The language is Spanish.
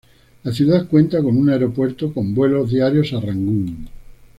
La ciudad cuenta con un aeropuerto con vuelos diarios a Rangún.